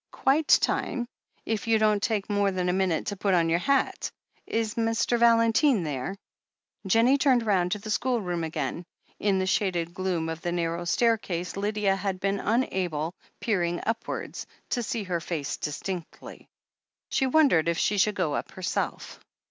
"Quite time, if you don't take more than a minute to put on your hat. Is Mr. Valentine there?" Jennie turned round to the school room again. In the shaded gloom of the narrow staircase Lydia had been unable, peering upwards, to see her face distinctly. She wondered if she should go up herself.